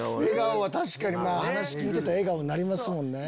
確かに話聞いてたら笑顔になりますもんね。